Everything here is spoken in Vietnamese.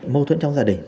mâu thuẫn trong gia đình